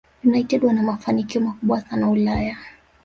united wana mafanikio makubwa sana Ulaya